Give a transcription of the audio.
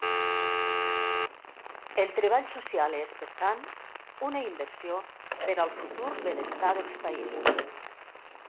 El treball social és, per tant, una inversió per al futur benestar dels països.